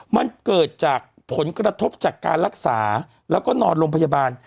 มันเกิดจากผลกระทบจากการรักษาแล้วก็นอนโรงพยาบาล